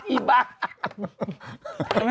อีบ้า